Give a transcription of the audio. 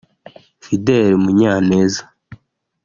Fidèle Munyaneza